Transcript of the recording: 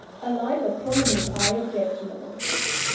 A light or prominent eye objectionable.